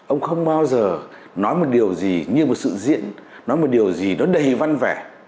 ông không bao giờ nói một điều gì như một sự diễn nói một điều gì nó đầy văn vẻ